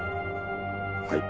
はい。